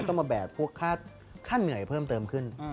ต้องมาแบกพวกค่าเหนื่อยเพิ่มเติมขึ้น